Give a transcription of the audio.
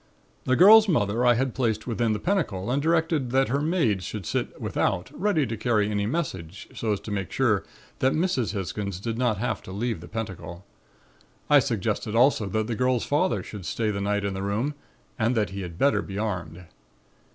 The girl's mother I had placed within the pentacle and directed that her maid should sit without, ready to carry any message so as to make sure that Mrs. Hisgins did not have to leave the pentacle. I suggested also that the girl's father should stay the night in the room and that he had better be armed.